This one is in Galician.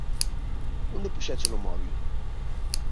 Onde puxéche-lo móbil?